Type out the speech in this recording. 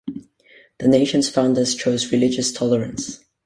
The nation's founders chose religious tolerance.